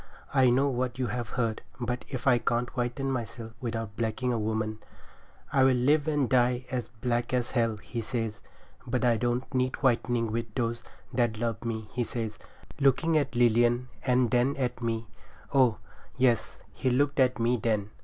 I know what you have heard, but if I can't whiten myself without blacking a woman I'll live and die as black as hell,' he says. 'But I don't need whitening with those that love me,' he says, looking at Lilian and then at me—oh! yes, he looked at me then.